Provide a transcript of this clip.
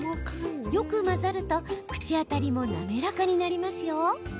よく混ざると、口当たりも滑らかになりますよ。